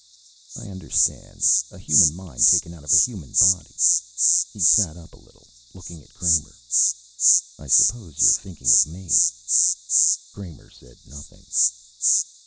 "I understand. A human mind, taken out of a human body." He sat up a little, looking at Kramer. "I suppose you're thinking of me." Kramer said nothing.